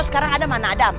sekarang adam mana adam